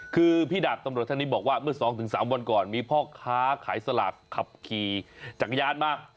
คือพี่ดาบตำรวจท่านนี้บอกว่าเมื่อ๒๓วันก่อนมีพ่อค้าขายสลากขับขี่จักรยานมา